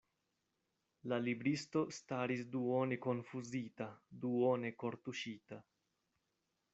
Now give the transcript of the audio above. La libristo staris duone konfuzita, duone kortuŝita.